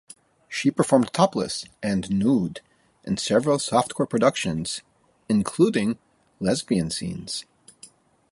She performed topless and nude in several soft-core productions, including lesbian scenes.